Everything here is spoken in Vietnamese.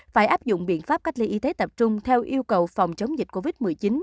phải áp dụng biện pháp cách ly y tế tập trung theo yêu cầu phòng chống dịch covid một mươi chín